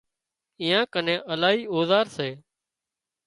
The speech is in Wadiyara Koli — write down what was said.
ايئان ڪنين الاهي اوزار سي